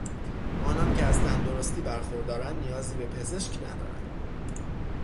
آنان که از تندرستی برخوردارند نیازی به پزشک ندارند.